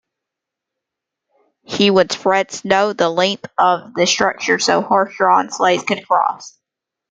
He would spread snow the length of the structure so horse-drawn sleighs could cross.